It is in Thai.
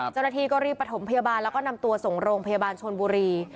จริงก็รีบประถมพยาบาลแล้วก็นำตัวส่งโรงพยาบาลชวนบุรี